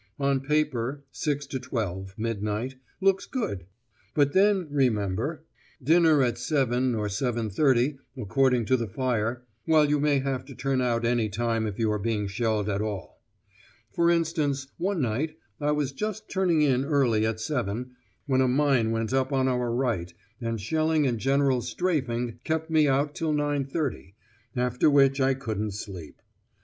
On paper 6 12 (midnight) looks good; but then, remember, dinner at 7.0 or 7.30 according to the fire, while you may have to turn out any time if you are being shelled at all. For instance, one night I was just turning in early at 7.0, when a mine went up on our right, and shelling and general 'strafing' kept me out till 9.30, after which I couldn't sleep!